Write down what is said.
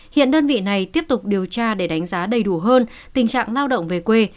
hiện đơn vị này tiếp tục điều tra để đánh giá đầy đủ hơn tình trạng lao động về quê